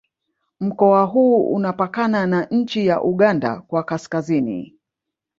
Mkoa huu unapakana na nchi ya Uganda kwa Kaskazini